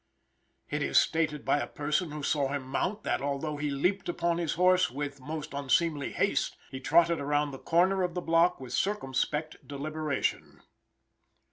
It is stated by a person who saw him mount that, although he leaped upon his horse with most unseemly haste, he trotted away around the corner of the block with circumspect deliberation.